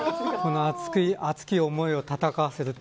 熱き思いを戦わせるって。